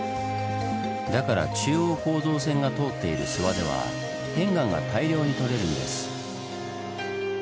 だから中央構造線が通っている諏訪では片岩が大量にとれるんです。